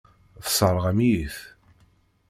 Tesseṛɣem-iyi-t.